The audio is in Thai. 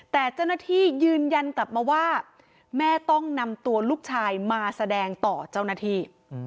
แต่เจ้าหน้าที่ยืนยันกลับมาว่าแม่ต้องนำตัวลูกชายมาแสดงต่อเจ้าหน้าที่